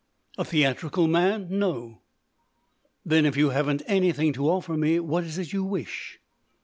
"A theatrical man? No." "Then if you haven't anything to offer me, what is it you wish?"